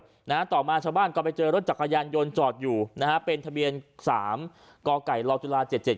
ไปไหนด้วยนะต่อมาชาวบ้านก็ไปเจอรถจักรยานยนต์จอดอยู่นะเป็นทะเบียน๓กลจุลา